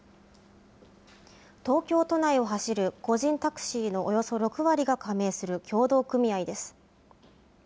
東京都内を走る個人タクシーのおよそ６割が加盟する協同組合です。